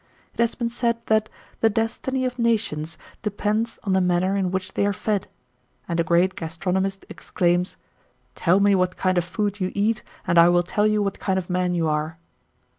It has been said that "the destiny of nations depends on the manner in which they are fed;" and a great gastronomist exclaims, "Tell me what kind of food you eat, and I will tell you what kind of man you are."